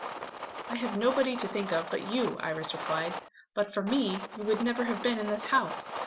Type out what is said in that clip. "I have nobody to think of but You," Iris replied. "But for me, you would never have been in this house.